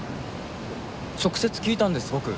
直接聞いたんです僕。